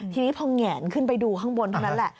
ทีนี้พอเหงียนขึ้นไปดูข้างบนแน่นแหละ